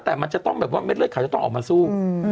แต่มันจะต้องแบบว่าเด็ดเลือดขาวจะต้องออกมาสู้